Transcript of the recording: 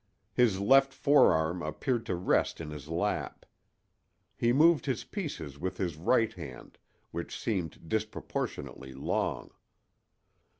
His left forearm appeared to rest in his lap; he moved his pieces with his right hand, which seemed disproportionately long.